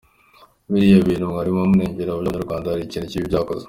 Biriya bintu mwarimo munenga by’abanyamahanga hari ikintu kibi byakoze.